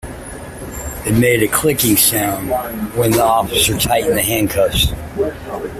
It made a clicking sound when the officer tightened the handcuffs.